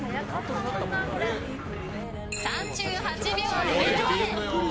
３８秒００。